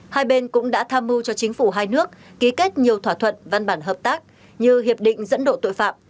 hai bên cũng đã tham mưu cho chính phủ hai nước ký kết nhiều thỏa thuận văn bản hợp tác như hiệp định dẫn độ tội phạm